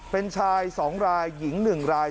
เป็นชาย๒รายหญิง๑ราย